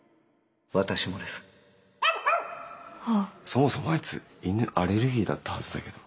そもそもあいつ犬アレルギーだったはずだけど。